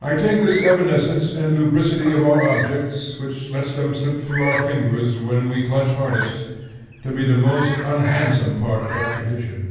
I take this evanescence and lubricity of all objects, which lets them slip through our fingers then when we clutch hardest, to be the most unhandsome part of our condition.